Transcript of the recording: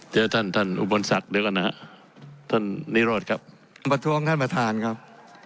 เดี๋ยวท่านท่านอุบลศักดิ์เดี๋ยวก่อนนะฮะท่านนิโรธครับประท้วงท่านประธานครับ